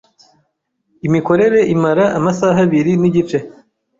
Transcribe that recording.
Imikorere imara amasaha abiri nigice.